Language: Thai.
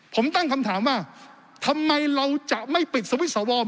ผมตั้งคำถามว่าทำไมเราจะไม่ปิดสวิตช์สว